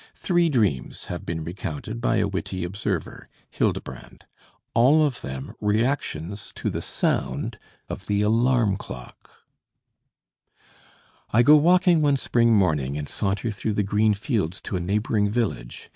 Three dreams have been recounted by a witty observer, Hildebrand, all of them reactions to the sound of the alarm clock: "I go walking one spring morning and saunter through the green fields to a neighboring village.